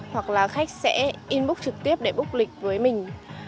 hoặc là khách sẽ in búc trực tiếp để búc lịch với mình